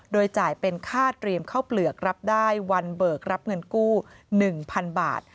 โดยจ่ายเป็นค่าเตรียมข้าวเปลือกรับได้วันเบิกรับเงินกู้๑๐๐๐บาท